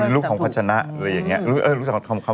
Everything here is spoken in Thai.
ลูกของพัชนะอะไรอย่างนี้